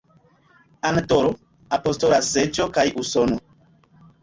Andoro, Apostola Seĝo kaj Usono.